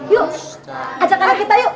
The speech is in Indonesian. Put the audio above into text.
yuk ajarkan kita yuk